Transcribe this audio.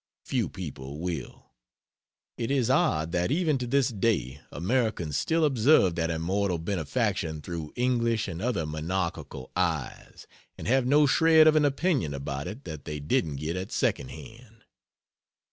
Few people will. It is odd that even to this day Americans still observe that immortal benefaction through English and other monarchical eyes, and have no shred of an opinion about it that they didn't get at second hand.